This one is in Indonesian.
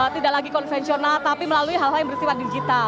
tidak lagi konvensional tapi melalui hal hal yang bersifat digital